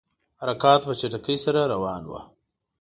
حرکات په چټکۍ سره روان وه.